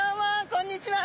こんにちは。